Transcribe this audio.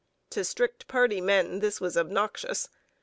To strict party men this was obnoxious.